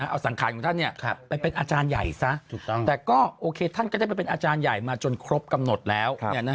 เอาสังขารของท่านไปเป็นอาจารย์ใหญ่ซะแต่ก็โอเคท่านก็ได้ไปเป็นอาจารย์ใหญ่มาจนครบกำหนดแล้ว